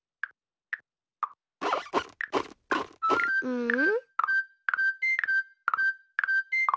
うん？